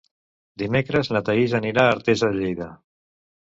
Dimecres na Thaís anirà a Artesa de Lleida.